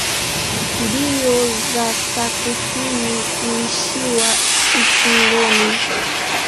Mbio za sakafuni huishia ukingoni